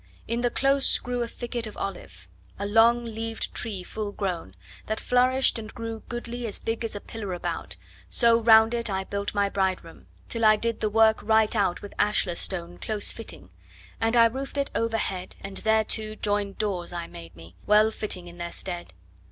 In the close grew a thicket of olive, a long leaved tree full grown, That flourished and grew goodly as big as a pillar about, So round it I built my bride room, till I did the work right out With ashlar stone close fitting; and I roofed it overhead, And thereto joined doors I made me, well fitting in their stead.